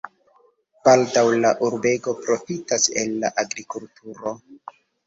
Baldaŭ la urbego profitas el la agrikulturo.